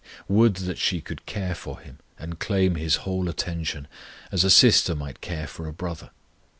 Would that she could care for Him, and claim His whole attention, as a sister might care for a brother.